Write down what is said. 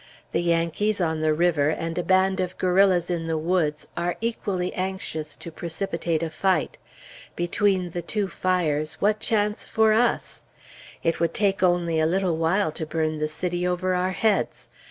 The Yankees, on the river, and a band of guerrillas in the woods, are equally anxious to precipitate a fight. Between the two fires, what chance for us? It would take only a little while to burn the city over our heads.